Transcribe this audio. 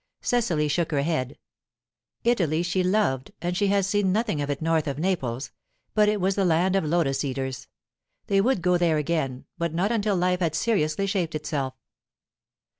Cecily shook her head; Italy she loved, and she had seen nothing of it north of Naples, but it was the land of lotus eaters. They would go there again, but not until life had seriously shaped itself.